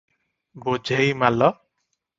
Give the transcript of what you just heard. ବୋଝେଇ ମାଲ?